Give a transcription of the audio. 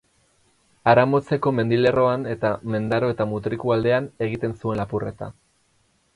Aramotzeko mendilerroan eta Mendaro eta Mutriku aldean egiten zuen lapurreta.